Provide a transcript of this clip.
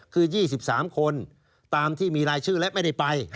คือ๒๓คนตามที่มีรายชื่อและไม่ได้ไป